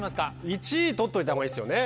１位取っといた方がいいですよね